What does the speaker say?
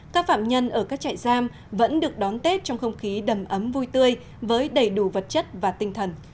các phạm nhân ở các trại giam vẫn được đón tết trong không khí đầm ấm vui tươi với đầy đủ vật chất và tinh thần